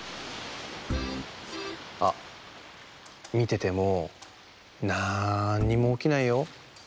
あっみててもなんにもおきないよ。